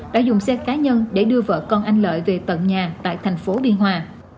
đã dùng xe cá nhân để đưa vợ con anh lợi về tận nhà tại thành phố biên hòa